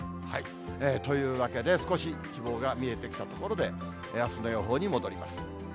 というわけで、少し希望が見えてきたところで、あすの予報に戻ります。